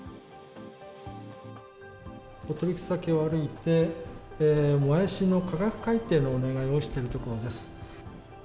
お得意先を歩いて、もやしの価格改定のお願いをしているところです。